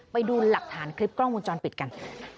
ไปดูหลักฐานคลิปกล้องวงจรปิดกัน